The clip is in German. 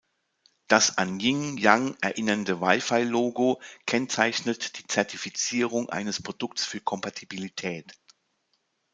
Das an Ying-Yang erinnernde Wi‑Fi-Logo kennzeichnet die Zertifizierung eines Produkts für Kompatibilität.